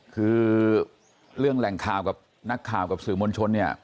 คือเรื่องแหล่งข่าวกับนักข่าวกับสื่อมวลชนเนี่ย